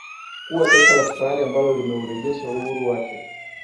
kuwa taifa la kihafari ambalo limeurejesha uhuru wake